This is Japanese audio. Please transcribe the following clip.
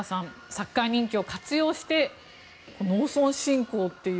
サッカー人気を活用して農村振興という。